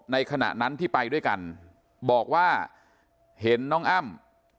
ขณะนั้นที่ไปด้วยกันบอกว่าเห็นน้องอ้ำ